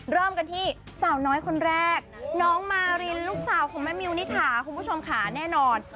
เริ่มกันที่สาวน้อยคนแรกน้องมารินลูกสาวของแม่มิวนิถาคุณผู้ชมค่ะแน่นอน